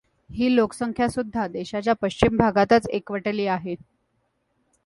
ही लोकसंख्यासुद्धा देशाच्या पश्चिम भागातच एकवटली आहे.